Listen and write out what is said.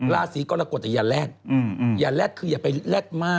ราศีกรกฎอย่าแลดอย่าแลดคืออย่าไปแลดมาก